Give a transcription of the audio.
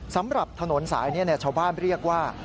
สำหรับถนนสายนี้ชาวบ้านเรียกว่า